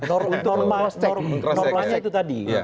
normalnya itu tadi